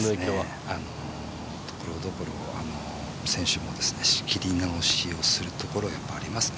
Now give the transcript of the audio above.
ところどころ選手も仕切り直しをするところはありますね。